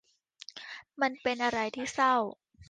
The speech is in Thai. มันเป็นอะไรที่เศร้า